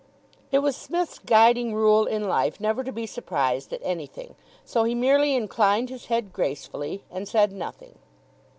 It was Psmith's guiding rule in life never to be surprised at anything, so he merely inclined his head gracefully, and said nothing.